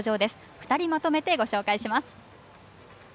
２人まとめて、ご紹介します。